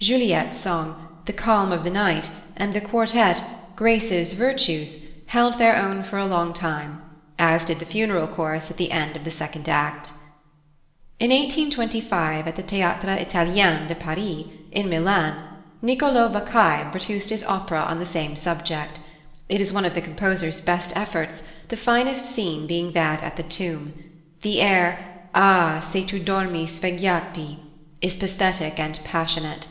Juliette's song, "The calm of the night," and the quartet, "Graces, virtues," held their own for a long time; as did the funeral chorus at the end of the second act. In 1825, at the Théâtre Italien de Paris, in Milan, +Nicolò Vaccaj+ produced his opera on the same subject. It is one of the composer's best efforts, the finest scene being that at the tomb. The air, "Ah, se tu dormi svegliati," is pathetic and passionate.